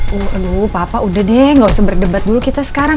waduh papa udah deh gak usah berdebat dulu kita sekarang